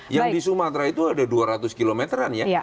yang di sumatra itu ada dua ratus kilometeran ya